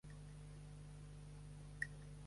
Vaig als jardins de Jaime Gil de Biedma.